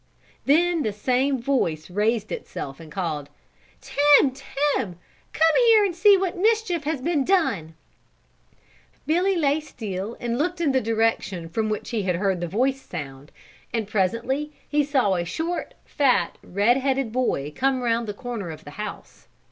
Then the same voice raised itself and called "Tim, Tim, come here and see what mischief has been done!" Billy lay still and looked in the direction from which he heard the voice sound, and presently he saw a short, fat, red headed boy come around the corner of the house.